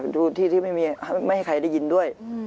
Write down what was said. ดูที่ที่ไม่ให้ใครได้ยินด้วย